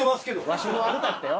ワシも悪かったよ。